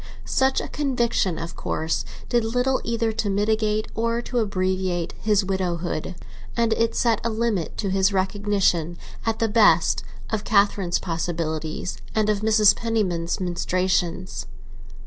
Such a conviction, of course, did little either to mitigate or to abbreviate his widowhood; and it set a limit to his recognition, at the best, of Catherine's possibilities and of Mrs. Penniman's ministrations.